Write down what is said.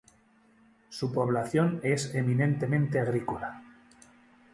Su población es eminentemente agrícola.